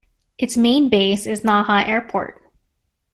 Its main base is Naha Airport.